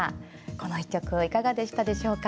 この一局はいかがでしたでしょうか。